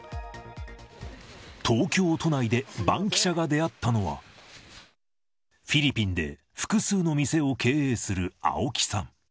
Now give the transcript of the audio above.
東京都内でバンキシャが出会ったのは、フィリピンで複数の店を経営する青木さん。